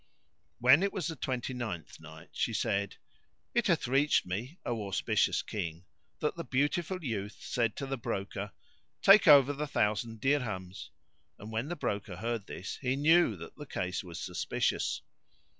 When it was the Twenty ninth Night, She said, It hath reached me, O auspicious King, that the beautiful youth said to the broker, "Take over the thousand dirhams;" and when the broker heard this, he knew that the case was suspicious.